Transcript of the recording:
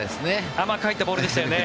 甘く入ったボールでしたね。